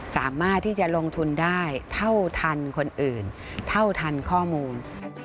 สามารถที่จะลงทุนได้เท่าทันคนอื่นเท่าทันข้อมูล